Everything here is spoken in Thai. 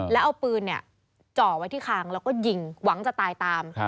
แล้วเอาปืนจ่อไว้ที่คางแล้วก็ยิงหวังจะตายตาม